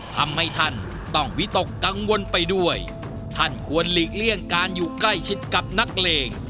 ทำให้ท่านต้องวิตกกังวลไปด้วยท่านควรหลีกเลี่ยงการอยู่ใกล้ชิดกับนักเลง